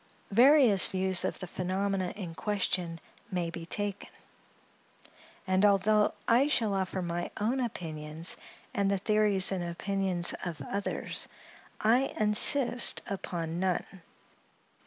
Various views of the phenomena in question may be taken; and although I shall offer my own opinions and the theories and opinions of others, I insist upon none.